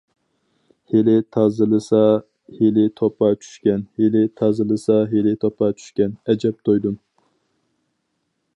ھېلى تازىلىسا ھېلى توپا چۈشكەن، ھېلى تازىلىسا ھېلى توپا چۈشكەن، ئەجەب تويدۇم.